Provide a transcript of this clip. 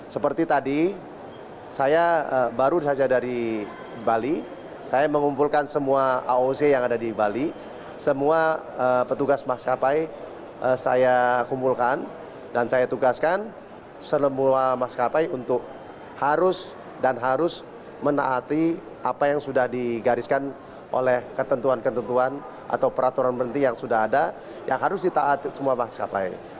seperti tadi saya baru saja dari bali saya mengumpulkan semua aoj yang ada di bali semua petugas maskapai saya kumpulkan dan saya tugaskan semua maskapai untuk harus dan harus menaati apa yang sudah digariskan oleh ketentuan ketentuan atau peraturan berhenti yang sudah ada yang harus ditaati semua maskapai